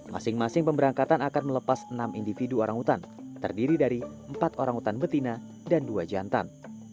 masing masing pemberangkatan akan melepas enam individu orang hutan terdiri dari empat orang utan betina dan dua jantan